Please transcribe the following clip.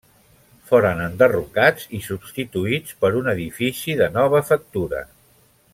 Foren enderrocats i substituïts per un edifici de nova factura.